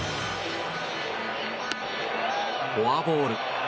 フォアボール。